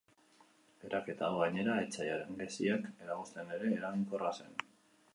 Eraketa hau, gainera, etsaiaren geziak eragozten ere eraginkorra zen.